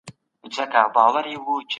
افغانانو د جګړې لپاره نوې لارې جوړې کړې.